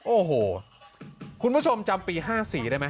โอ้โหคุณผู้ชมจำปี๕๔ได้ไหม